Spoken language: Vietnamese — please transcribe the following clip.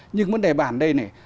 nhưng vấn đề bàn đây này